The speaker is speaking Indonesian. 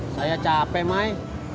saya capek mai